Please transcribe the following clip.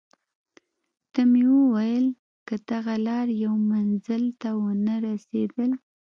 ته مې وویل: که دغه لار یو منزل ته ونه رسېدل.